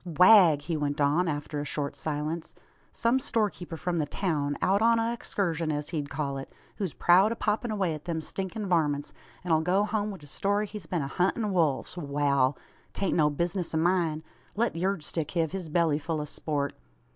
"Wagh!" he went on, after a short silence. "Some storekeeper from the town, out on a exkurshun, as he'd call it, who's proud o' poppin' away at them stinkin' varmints, an 'll go hum wi' a story he's been a huntin' wolves! Wal. 'Tain't no bizness o' myen. Let yurd stick hev his belly ful o' sport.